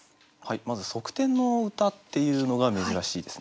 まず「側転」の歌っていうのが珍しいですね。